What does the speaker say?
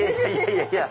いやいや。